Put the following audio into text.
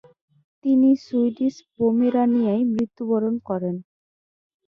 তিনি সুইডিশ পোমেরানিয়ায় মৃত্যুবরণ করেন।